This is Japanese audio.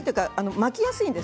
巻きやすいんです。